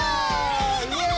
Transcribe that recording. イエイ！